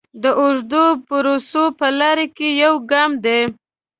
د اوږدې پروسې په لاره کې یو ګام دی.